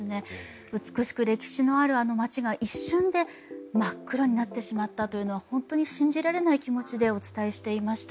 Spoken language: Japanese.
美しく歴史のあるあの街が一瞬で真っ黒になってしまったというのは本当に信じられない気持ちでお伝えしていました。